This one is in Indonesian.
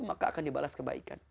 maka akan dibalas kebaikan